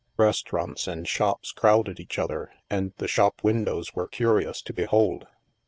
Restaurants and shops crowded each other, and the shop windows were curious to behold.